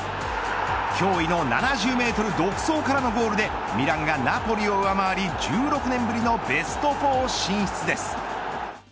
驚異の７０メートル独走からのゴールでミランがナポリを上回り１６年ぶりのベスト４進出です。